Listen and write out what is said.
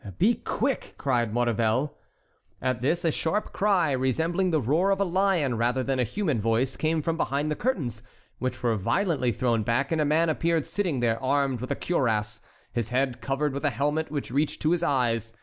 "Be quick!" cried Maurevel. At this, a sharp cry, resembling the roar of a lion rather than a human voice, came from behind the curtains, which were violently thrown back, and a man appeared sitting there armed with a cuirass, his head covered with a helmet which reached to his eyes.